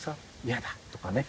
嫌だ」とかね。